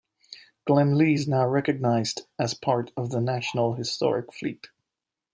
"Glenlee" is now recognised as part of the National Historic Fleet.